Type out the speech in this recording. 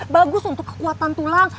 bagus untuk kekuatan tulang